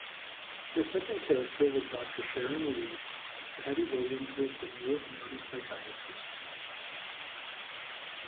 Her second character was Doctor Sharon Reaves, Patty Williams' demure and earnest psychiatrist.